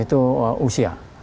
itu nggak itu usia